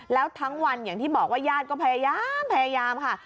แล้วทั้งวันอย่างที่บอกว่าญาติก็พยายามพยายามค่ะ